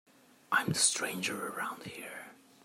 I'm the stranger around here.